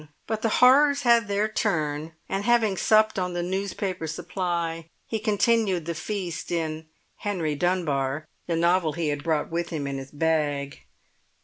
But the horrors had their turn, and having supped on the newspaper supply, he continued the feast in Henry Dunbar, the novel he had brought with him in his bag.